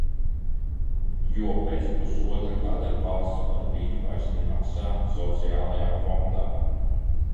Jo pēc pusotra gada valsts par viņu vairs nemaksā sociālajā fondā.